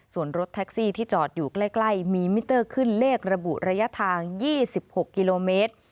ส่วนรถแท็กซี่ที่จอดอยู่ใกล้มีมิเตอร์ขึ้นเลขระบุระยะทาง๒๖กิโลเมตร